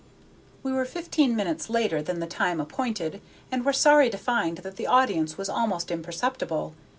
We were fifteen minutes later than the time appointed, and were sorry to find that the audience was almost imperceptible.